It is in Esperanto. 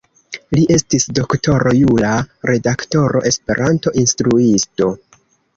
Li estis doktoro jura, redaktoro, Esperanto-instruisto.